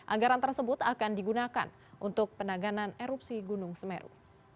anggaran tersebut akan digunakan untuk penanganan erupsi gunung semeru